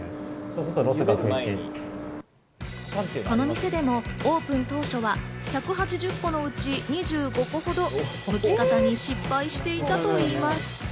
この店でもオープン当初は１８０個のうち２５個ほどむき方に失敗していたといいます。